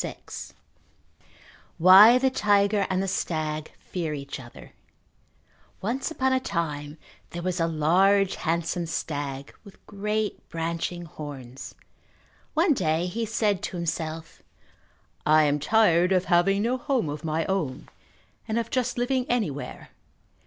VI Why the Tiger and the Stag Fear Each Other Once upon a time there was a large handsome stag with great branching horns. One day he said to himself, "I am tired of having no home of my own, and of just living anywhere.